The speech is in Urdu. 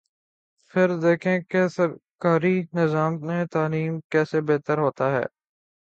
پھر دیکھیں کہ سرکاری نظام تعلیم کیسے بہتر ہوتا ہے۔